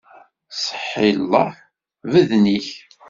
Seḥḥi llah, beden-ik!